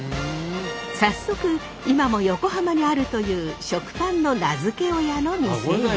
早速今も横浜にあるという食パンの名付け親の店へ。